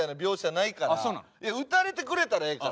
いや撃たれてくれたらええから。